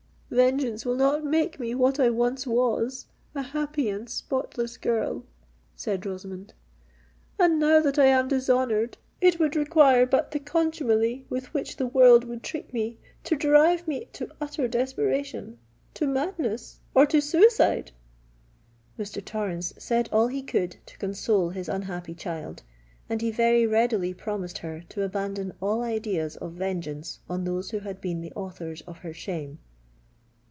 vengeance will not make me what I once was—a happy and spotless girl!" said Rosamond: "and now that I am dishonoured, it would require but the contumely with which the world would treat me, to drive me to utter desperation—to madness, or to suicide!" Mr. Torrens said all he could to console his unhappy child; and he very readily promised her to abandon all ideas of vengeance on those who had been the authors of her shame.